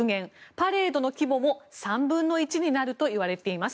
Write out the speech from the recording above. パレードの規模も３分の１になるといわれています。